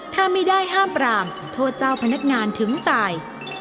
ถ้าไม่ได้ห้ามปรามโทษเจ้าพนักงานถึงตาย